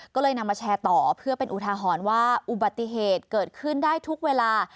ก็เลยนำมาแชร์ต่อเพื่อเป็นอุทาหรณ์ว่าอุบัติเหตุเกิดขึ้นได้ทุกเวลา